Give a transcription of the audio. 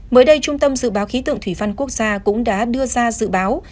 mới đây trung tâm dự báo khí tượng thủy văn quốc gia cũng đã đưa ra dự báo